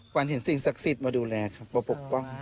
วันเห็นสิ่งศักดิ์สิทธิ์มาดูแลครับมาปกป้อง